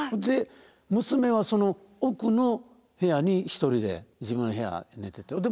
で娘はその奥の部屋に１人で自分の部屋で寝てて。